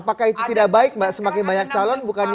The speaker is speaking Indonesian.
apakah itu tidak baik mbak semakin banyak calon